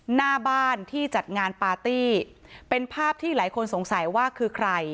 หน้าบ้านที่จัดงานปาร์ตี้เป็นภาพที่หลายคนสงสัยว่าคือใคร